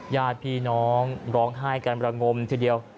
ญาติพี่น้องร้องไห้กันระงมทีเดียว